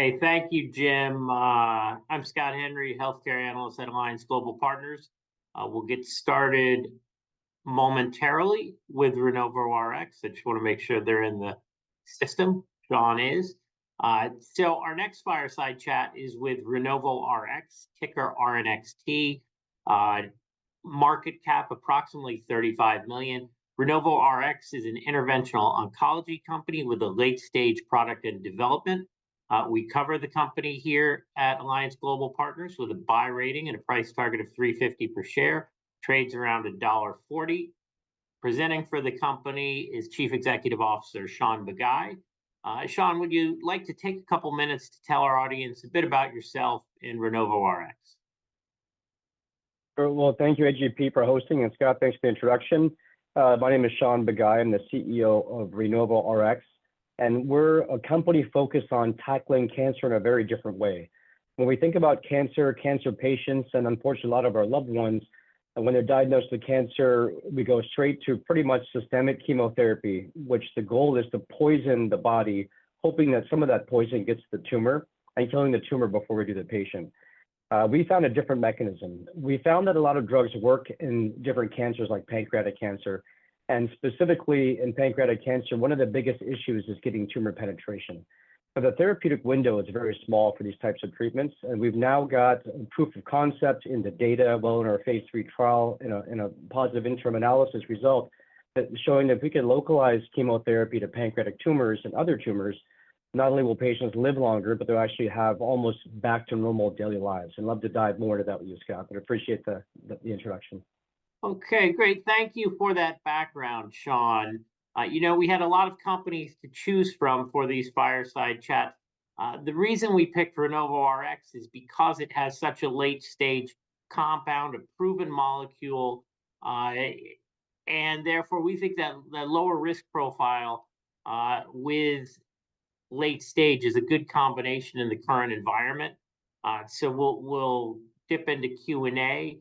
Hey, thank you, Jim. I'm Scott Henry, healthcare analyst at Alliance Global Partners. We'll get started momentarily with RenovoRx. I just wanna make sure they're in the system. Shaun is. So our next fireside chat is with RenovoRx, ticker RNXT. Market cap, approximately $35 million. RenovoRx is an interventional oncology company with a late-stage product in development. We cover the company here at Alliance Global Partners with a buy rating and a price target of $3.50 per share, trades around $1.40. Presenting for the company is Chief Executive Officer, Shaun Bagai. Shaun, would you like to take a couple minutes to tell our audience a bit about yourself and RenovoRx? Well, thank you, AGP, for hosting, and Scott, thanks for the introduction. My name is Shaun Bagai. I'm the CEO of RenovoRx, and we're a company focused on tackling cancer in a very different way. When we think about cancer, cancer patients, and unfortunately, a lot of our loved ones, and when they're diagnosed with cancer, we go straight to pretty much systemic chemotherapy, which the goal is to poison the body, hoping that some of that poison gets to the tumor and killing the tumor before we do the patient. We found a different mechanism. We found that a lot of drugs work in different cancers, like pancreatic cancer, and specifically in pancreatic cancer, one of the biggest issues is getting tumor penetration. But the therapeutic window is very small for these types of treatments, and we've now got proof of concept in the data of our own phase III trial in a positive interim analysis result, that showing if we can localize chemotherapy to pancreatic tumors and other tumors, not only will patients live longer, but they'll actually have almost back to normal daily lives. I'd love to dive more into that with you, Scott, but appreciate the introduction. Okay, great. Thank you for that background, Shaun. You know, we had a lot of companies to choose from for these fireside chats. The reason we picked RenovoRx is because it has such a late-stage compound, a proven molecule. And therefore, we think that the lower risk profile with late stage is a good combination in the current environment. So we'll dip into Q&A.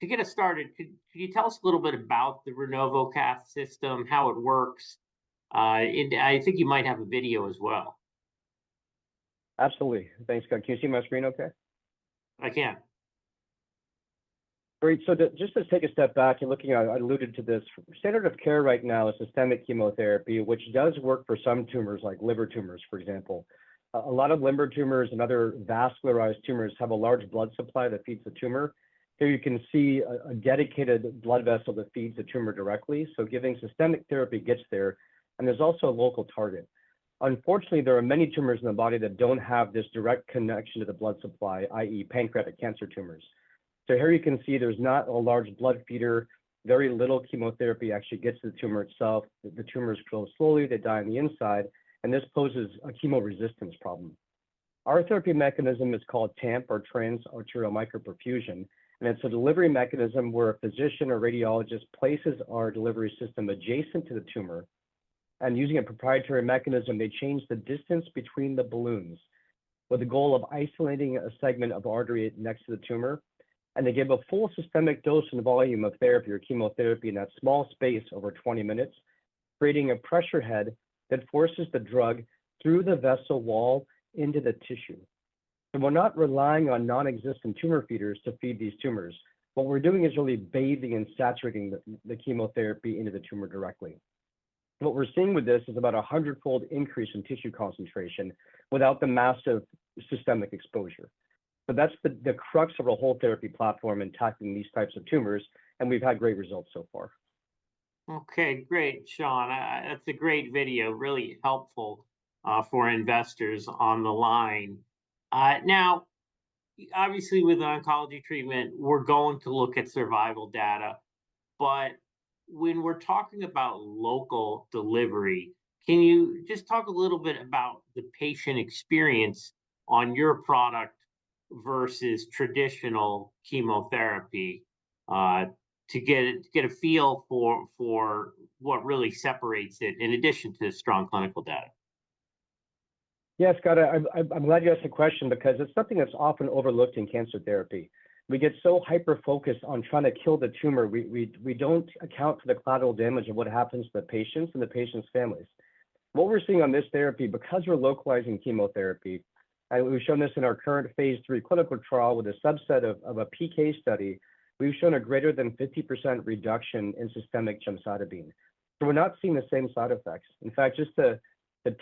To get us started, could you tell us a little bit about the RenovoCath system, how it works? And I think you might have a video as well. Absolutely. Thanks, Scott. Can you see my screen okay? I can. Great, so just to take a step back and looking at... I alluded to this. Standard of care right now is systemic chemotherapy, which does work for some tumors, like liver tumors, for example. A lot of liver tumors and other vascularized tumors have a large blood supply that feeds the tumor. Here you can see a dedicated blood vessel that feeds the tumor directly, so giving systemic therapy gets there, and there's also a local target. Unfortunately, there are many tumors in the body that don't have this direct connection to the blood supply, i.e., pancreatic cancer tumors. So here you can see there's not a large blood feeder. Very little chemotherapy actually gets to the tumor itself. The tumors grow slowly, they die on the inside, and this poses a chemoresistance problem. Our therapy mechanism is called TAMP, or trans-arterial microperfusion, and it's a delivery mechanism where a physician or radiologist places our delivery system adjacent to the tumor, and using a proprietary mechanism, they change the distance between the balloons, with the goal of isolating a segment of artery next to the tumor, and they give a full systemic dose and volume of therapy or chemotherapy in that small space over 20 minutes, creating a pressure head that forces the drug through the vessel wall into the tissue. We're not relying on nonexistent tumor feeders to feed these tumors. What we're doing is really bathing and saturating the chemotherapy into the tumor directly. What we're seeing with this is about a 100-fold increase in tissue concentration without the massive systemic exposure. So that's the crux of the whole therapy platform in tackling these types of tumors, and we've had great results so far. Okay, great, Shaun. That's a great video, really helpful for investors on the line. Now, obviously, with an oncology treatment, we're going to look at survival data, but when we're talking about local delivery, can you just talk a little bit about the patient experience on your product versus traditional chemotherapy to get a feel for what really separates it, in addition to the strong clinical data? Yes, Scott, I'm glad you asked the question because it's something that's often overlooked in cancer therapy. We get so hyper-focused on trying to kill the tumor, we don't account for the collateral damage of what happens to the patients and the patients' families. What we're seeing on this therapy, because we're localizing chemotherapy, and we've shown this in our current phase III clinical trial with a subset of a PK study, we've shown a greater than 50% reduction in systemic gemcitabine, so we're not seeing the same side effects. In fact, just to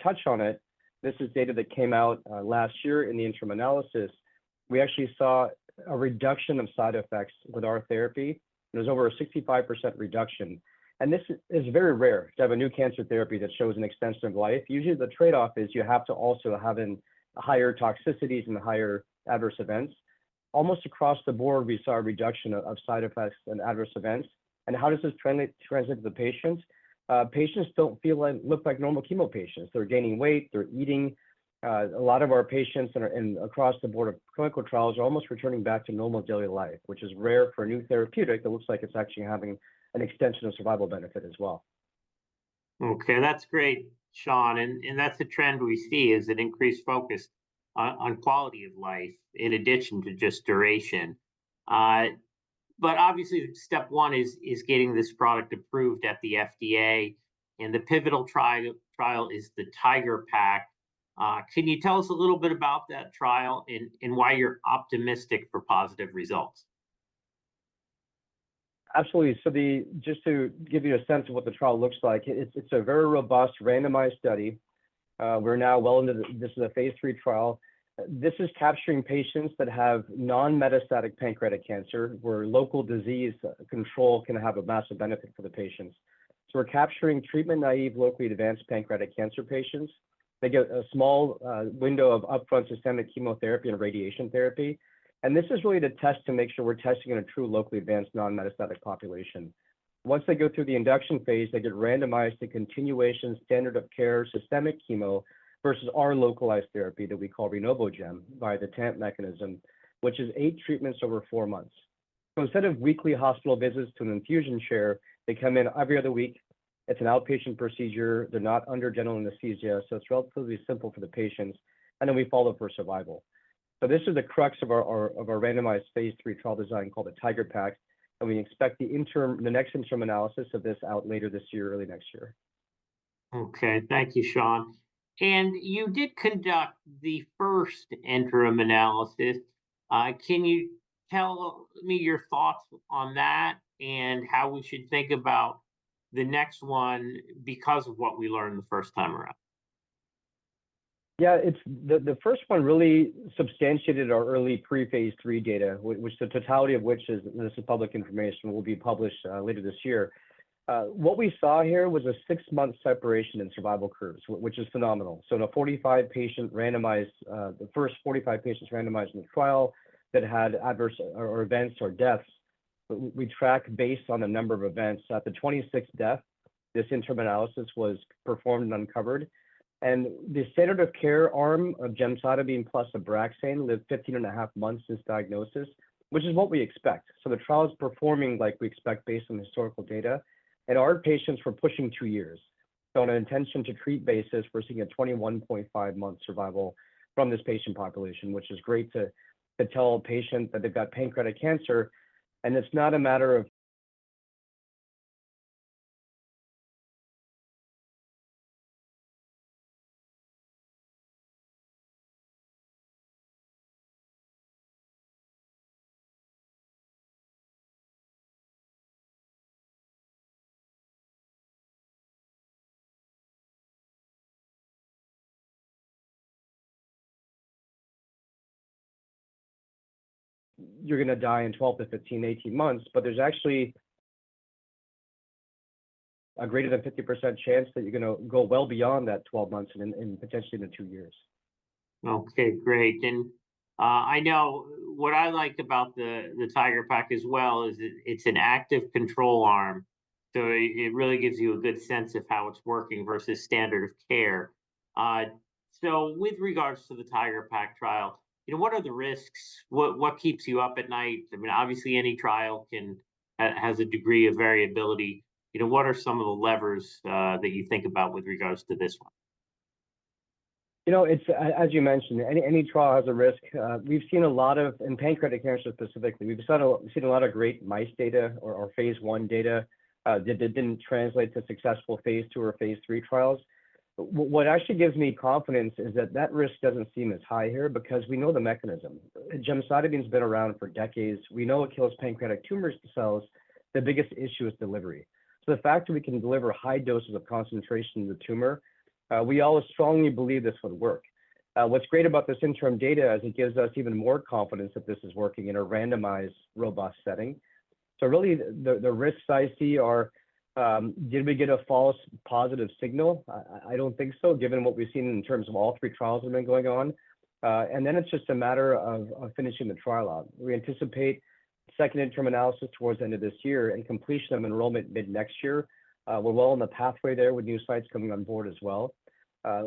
touch on it, this is data that came out last year in the interim analysis. We actually saw a reduction of side effects with our therapy. There was over a 65% reduction, and this is very rare to have a new cancer therapy that shows an extension of life. Usually, the trade-off is you have to also have an higher toxicities and higher adverse events. Almost across the board, we saw a reduction of side effects and adverse events. And how does this trend to the patients? Patients don't feel like- look like normal chemo patients. They're gaining weight. They're eating. A lot of our patients and are in, across the board of clinical trials, are almost returning back to normal daily life, which is rare for a new therapeutic that looks like it's actually having an extension of survival benefit as well. Okay, that's great, Shaun, and that's the trend we see, is an increased focus on quality of life in addition to just duration. But obviously, step one is getting this product approved at the FDA, and the pivotal trial is the TIGeR-PaC. Can you tell us a little bit about that trial and why you're optimistic for positive results? Absolutely. So just to give you a sense of what the trial looks like, it's, it's a very robust, randomized study. We're now well into the... This is a phase III trial. This is capturing patients that have non-metastatic pancreatic cancer, where local disease control can have a massive benefit for the patients. So we're capturing treatment-naive, locally advanced pancreatic cancer patients. They get a small window of upfront systemic chemotherapy and radiation therapy, and this is really to test, to make sure we're testing in a true, locally advanced, non-metastatic population. Once they go through the induction phase, they get randomized to continuation standard of care, systemic chemo, versus our localized therapy that we call RenovoGem, by the TAMP mechanism, which is 8 treatments over 4 months. So instead of weekly hospital visits to an infusion chair, they come in every other week. It's an outpatient procedure. They're not under general anesthesia, so it's relatively simple for the patients, and then we follow for survival. So this is the crux of our randomized phase III trial design called the TIGeR-PaC, and we expect the next interim analysis of this out later this year, early next year. Okay. Thank you, Shaun. You did conduct the first interim analysis. Can you tell me your thoughts on that and how we should think about the next one because of what we learned the first time around? Yeah, it's the first one really substantiated our early pre-phase III data, which the totality of which is, and this is public information, will be published later this year. What we saw here was a 6-month separation in survival curves, which is phenomenal. So in a 45-patient randomized, the first 45 patients randomized in the trial that had adverse or events or deaths, we track based on the number of events. At the 26th death, this interim analysis was performed and uncovered, and the standard of care arm of gemcitabine plus Abraxane lived 15.5 months since diagnosis, which is what we expect. So the trial is performing like we expect, based on the historical data, and our patients were pushing 2 years. On an intention to treat basis, we're seeing a 21.5-month survival from this patient population, which is great to tell a patient that they've got pancreatic cancer, and it's not a matter of you're gonna die in 12-15, 18 months, but there's actually a greater than 50% chance that you're gonna go well beyond that 12 months and potentially into 2 years. Okay, great. And, I know what I liked about the TIGeR-PaC as well, is it's an active control arm, so it really gives you a good sense of how it's working versus standard of care. So with regards to the TIGeR-PaC trial, you know, what are the risks? What keeps you up at night? I mean, obviously, any trial can has a degree of variability. You know, what are some of the levers that you think about with regards to this one? You know, it's, as you mentioned, any trial has a risk. We've seen a lot of... In pancreatic cancer specifically, we've seen a lot of great mice data or phase I data that didn't translate to successful phase II or phase III trials. What actually gives me confidence is that risk doesn't seem as high here because we know the mechanism. Gemcitabine has been around for decades. We know it kills pancreatic tumor cells. The biggest issue is delivery. So the fact that we can deliver high doses of concentration to the tumor, we all strongly believe this would work. What's great about this interim data is it gives us even more confidence that this is working in a randomized, robust setting. So really, the risks I see are, did we get a false positive signal? I don't think so, given what we've seen in terms of all three trials that have been going on. And then it's just a matter of finishing the trial out. We anticipate second interim analysis towards the end of this year and completion of enrollment mid-next year. We're well on the pathway there with new sites coming on board as well.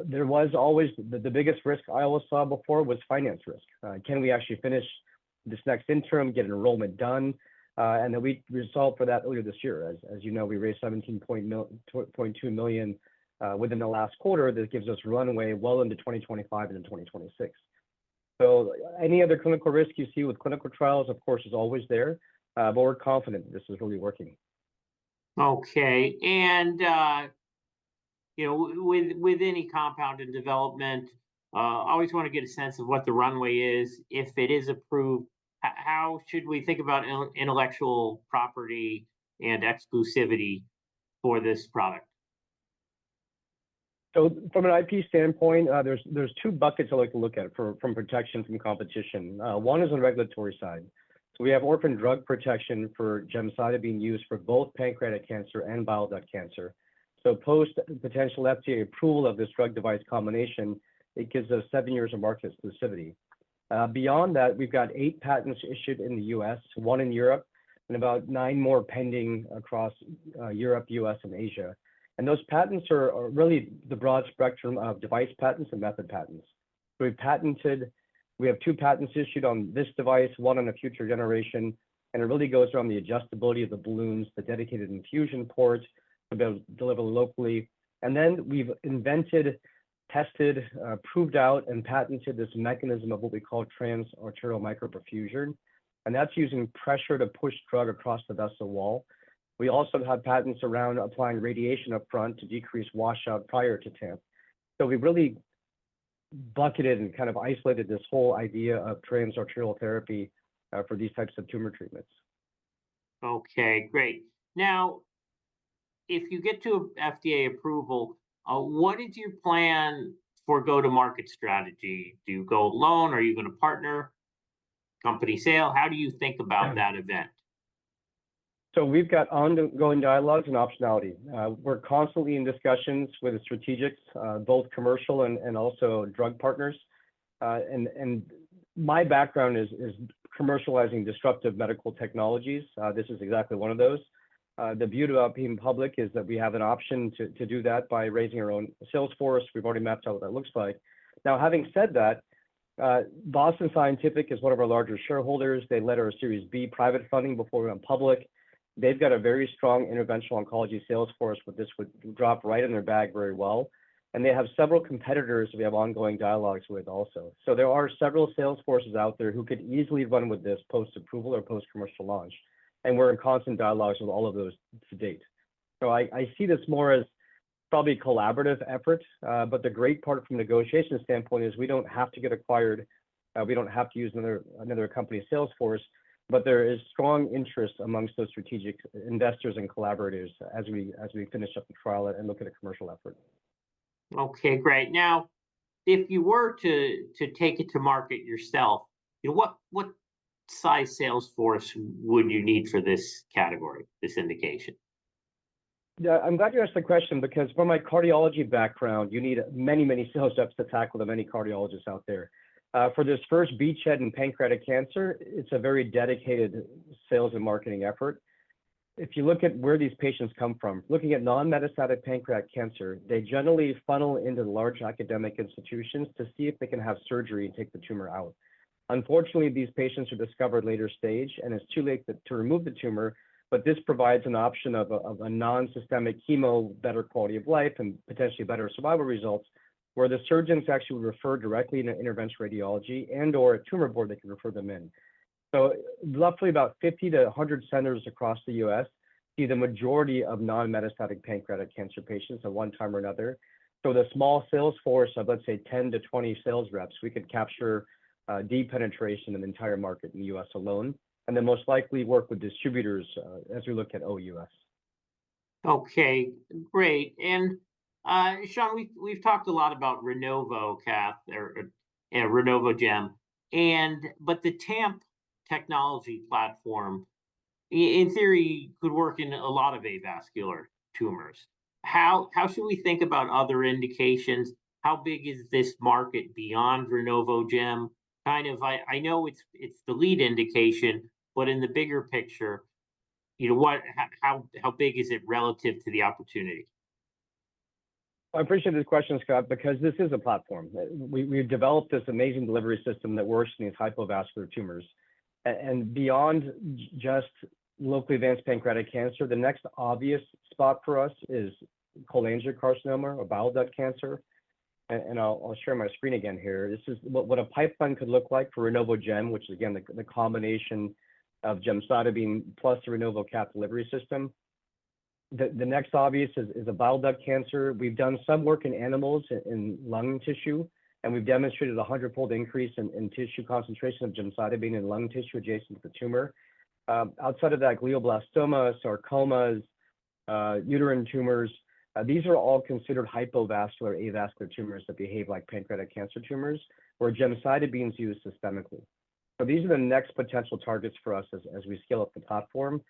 There was always... The biggest risk I always saw before was finance risk. Can we actually finish this next interim, get enrollment done? And then we resolved for that earlier this year. As you know, we raised $17.2 million within the last quarter. That gives us runway well into 2025 and in 2026. Any other clinical risk you see with clinical trials, of course, is always there, but we're confident this is really working. Okay, you know, with any compound in development, always wanna get a sense of what the runway is. If it is approved, how should we think about intellectual property and exclusivity for this product? So from an IP standpoint, there's two buckets I like to look at for, from protection, from competition. One is on the regulatory side. So we have orphan drug protection for gemcitabine used for both pancreatic cancer and bile duct cancer. So post potential FDA approval of this drug device combination, it gives us seven years of market exclusivity. Beyond that, we've got eight patents issued in the U.S., one in Europe, and about nine more pending across Europe, U.S., and Asia. And those patents are really the broad spectrum of device patents and method patents. We have two patents issued on this device, one on a future generation, and it really goes around the adjustability of the balloons, the dedicated infusion ports to be able to deliver locally. And then we've invented... tested, proved out, and patented this mechanism of what we call transarterial microperfusion, and that's using pressure to push drug across the vessel wall. We also have patents around applying radiation up front to decrease washout prior to TAMP. So we've really bucketed and kind of isolated this whole idea of transarterial therapy, for these types of tumor treatments. Okay, great. Now, if you get to FDA approval, what did you plan for go-to-market strategy? Do you go alone? Are you gonna partner? Company sale? How do you think about that event? So we've got ongoing dialogues and optionality. We're constantly in discussions with the strategics, both commercial and also drug partners. My background is commercializing disruptive medical technologies. This is exactly one of those. The beauty about being public is that we have an option to do that by raising our own sales force. We've already mapped out what that looks like. Now, having said that, Boston Scientific is one of our larger shareholders. They led our Series B private funding before we went public. They've got a very strong interventional oncology sales force, where this would drop right in their bag very well, and they have several competitors we have ongoing dialogues with also. So there are several sales forces out there who could easily run with this post-approval or post-commercial launch, and we're in constant dialogues with all of those to date. So I see this more as probably collaborative efforts, but the great part from a negotiation standpoint is we don't have to get acquired, we don't have to use another company's sales force, but there is strong interest amongst those strategic investors and collaborators as we finish up the trial and look at a commercial effort. Okay, great. Now, if you were to take it to market yourself, you know, what size sales force would you need for this category, this indication? Yeah, I'm glad you asked the question because from my cardiology background, you need many, many sales reps to tackle the many cardiologists out there. For this first beachhead in pancreatic cancer, it's a very dedicated sales and marketing effort. If you look at where these patients come from, looking at non-metastatic pancreatic cancer, they generally funnel into large academic institutions to see if they can have surgery and take the tumor out. Unfortunately, these patients are discovered later stage, and it's too late to remove the tumor, but this provides an option of a non-systemic chemo, better quality of life, and potentially better survival results, where the surgeons actually refer directly to interventional radiology and/or a tumor board that can refer them in. So roughly about 50-100 centers across the US see the majority of non-metastatic pancreatic cancer patients at one time or another. So the small sales force of, let's say, 10-20 sales reps, we could capture deep penetration of the entire market in the US alone, and then most likely work with distributors as we look at OUS. Okay, great. And, Shaun, we've talked a lot about RenovoCath or, RenovoGem, and but the TAMP technology platform in theory, could work in a lot of avascular tumors. How should we think about other indications? How big is this market beyond RenovoGem? Kind of, I know it's the lead indication, but in the bigger picture, you know what? How big is it relative to the opportunity? I appreciate this question, Scott, because this is a platform. We, we've developed this amazing delivery system that works in these hypovascular tumors. And beyond just locally advanced pancreatic cancer, the next obvious spot for us is cholangiocarcinoma or bile duct cancer. And I'll share my screen again here. This is what a pipeline could look like for RenovoGem, which is again, the combination of gemcitabine plus the RenovoCath delivery system. The next obvious is a bile duct cancer. We've done some work in animals in lung tissue, and we've demonstrated a 100-fold increase in tissue concentration of gemcitabine in lung tissue adjacent to the tumor. Outside of that, glioblastoma, sarcomas, uterine tumors, these are all considered hypovascular, avascular tumors that behave like pancreatic cancer tumors, where gemcitabine is used systemically. So these are the next potential targets for us as we scale up the platform.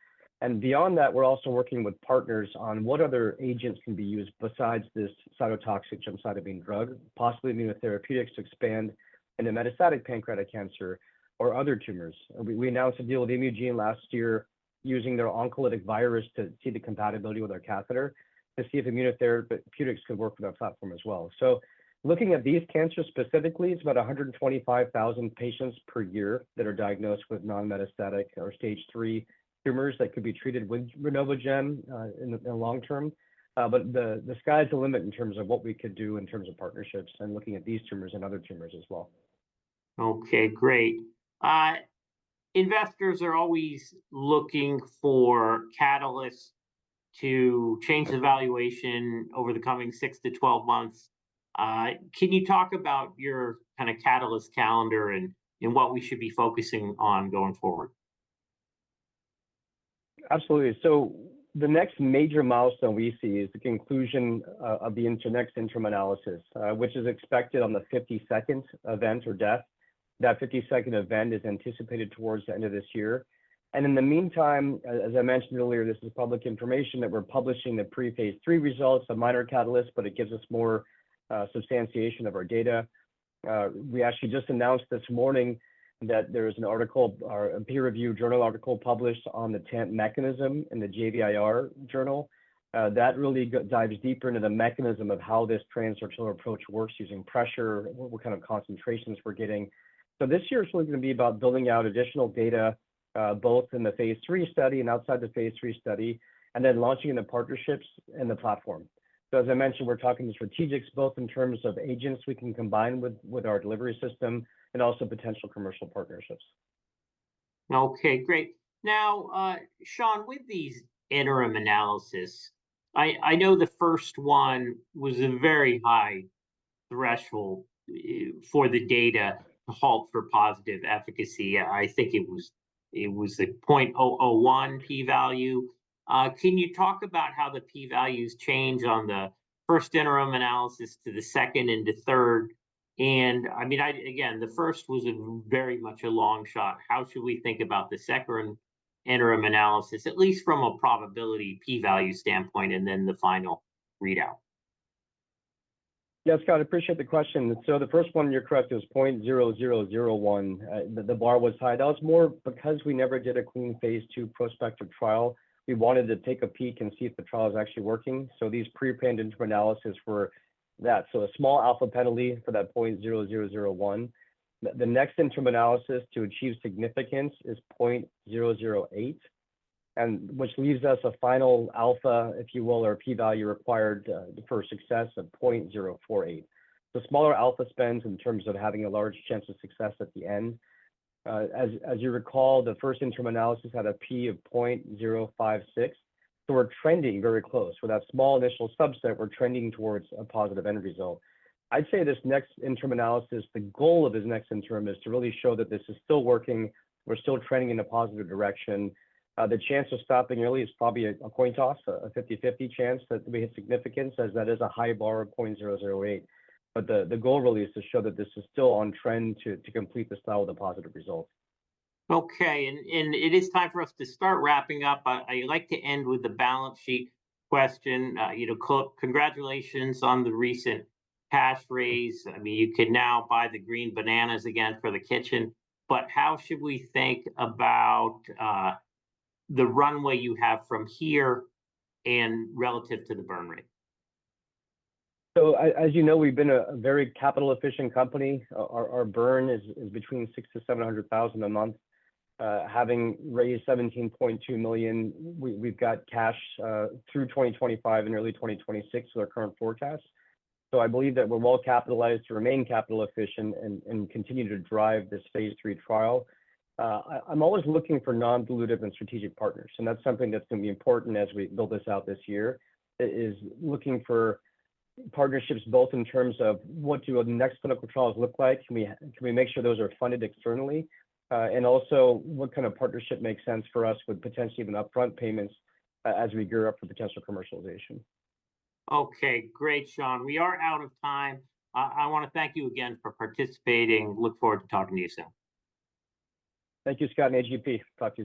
And beyond that, we're also working with partners on what other agents can be used besides this cytotoxic gemcitabine drug, possibly immunotherapeutics to expand into metastatic pancreatic cancer or other tumors. We announced a deal with Imugene last year, using their oncolytic virus to see the compatibility with our catheter to see if immunotherapeutics could work with our platform as well. So looking at these cancers specifically, it's about 125,000 patients per year that are diagnosed with non-metastatic or Stage III tumors that could be treated with RenovoGem in the long term. But the sky's the limit in terms of what we could do in terms of partnerships and looking at these tumors and other tumors as well. Okay, great. Investors are always looking for catalysts to change the valuation over the coming 6-12 months. Can you talk about your kind of catalyst calendar and, and what we should be focusing on going forward? Absolutely. So the next major milestone we see is the conclusion of the next interim analysis, which is expected on the 52nd event or death. That 52nd event is anticipated towards the end of this year. And in the meantime, as I mentioned earlier, this is public information that we're publishing the pre-phase III results, a minor catalyst, but it gives us more substantiation of our data. We actually just announced this morning that there is an article, a peer-reviewed journal article published on the TAMP mechanism in the JVIR journal. That really dives deeper into the mechanism of how this transarterial approach works using pressure, what kind of concentrations we're getting. So this year is really gonna be about building out additional data... Both in the Phase III study and outside the Phase III study, and then launching into partnerships and the platform. So as I mentioned, we're talking to strategics, both in terms of agents we can combine with, with our delivery system and also potential commercial partnerships. Okay, great. Now, Shaun, with these interim analysis, I, I know the first one was a very high threshold for the data halt for positive efficacy. I think it was a 0.001 P value. Can you talk about how the P values change on the first interim analysis to the second and the third? And I mean, again, the first was a very much a long shot. How should we think about the second interim analysis, at least from a probability P value standpoint, and then the final readout? Yeah, Scott, I appreciate the question. So the first one, you're correct, is 0.0001. The bar was high. That was more because we never did a clean phase II prospective trial. We wanted to take a peek and see if the trial is actually working, so these pre-planned interim analysis were that. So a small alpha penalty for that 0.0001. The next interim analysis to achieve significance is 0.008, and which leaves us a final alpha, if you will, or a P value required, for success of 0.048. The smaller alpha spends in terms of having a large chance of success at the end. As you recall, the first interim analysis had a P of 0.056, so we're trending very close. With that small initial subset, we're trending towards a positive end result. I'd say this next interim analysis, the goal of this next interim is to really show that this is still working, we're still trending in a positive direction. The chance of stopping early is probably a coin toss, a 50/50 chance that we hit significance, as that is a high bar of .008. But the goal really is to show that this is still on trend to complete the trial with a positive result. Okay, it is time for us to start wrapping up. I'd like to end with the balance sheet question. You know, congratulations on the recent cash raise. I mean, you can now buy the green bananas again for the kitchen. But how should we think about the runway you have from here and relative to the burn rate? So as you know, we've been a very capital-efficient company. Our burn is between $600,000-$700,000 a month. Having raised $17.2 million, we've got cash through 2025 and early 2026 with our current forecast. So I believe that we're well capitalized to remain capital efficient and continue to drive this phase III trial. I'm always looking for non-dilutive and strategic partners, and that's something that's gonna be important as we build this out this year, is looking for partnerships, both in terms of what do our next clinical trials look like? Can we make sure those are funded externally? And also, what kind of partnership makes sense for us with potentially even upfront payments as we gear up for potential commercialization. Okay. Great, Shaun. We are out of time. I wanna thank you again for participating. Look forward to talking to you soon. Thank you, Scott and AGP. Talk to you.